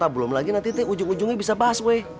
belum lagi nanti tuh ujung ujungnya bisa bahas weh